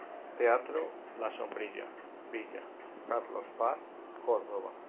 Teatro La Sombrilla, Villa Carlos Paz, Córdoba.